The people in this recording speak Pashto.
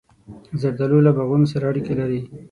زردالو له باغونو سره اړیکه لري.